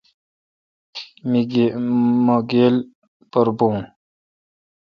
مہ گیل پر بھون۔